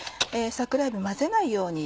桜えび混ぜないように。